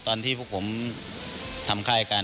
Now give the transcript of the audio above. ตอนที่พวกผมทำค่ายกัน